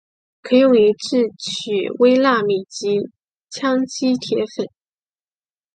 可用于制取微纳米级羰基铁粉。